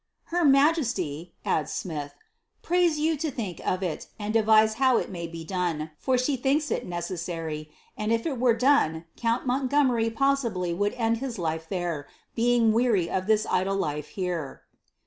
'''^ Her majesty," adds B you to think of it, and devise how it may be done, for necessary ; and if it were done, count Montgomeri possi d his life there, being weary of this idle life here.''